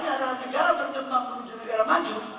yang salah satu daratnya adalah negara bergembang untuk negara maju